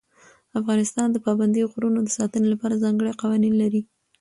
افغانستان د پابندي غرونو د ساتنې لپاره ځانګړي قوانین لري.